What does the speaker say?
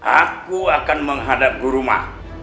aku akan menghadapi rumah